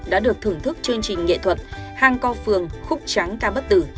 đã được thưởng thức chương trình nghệ thuật hang co phường khúc tráng ca bất tử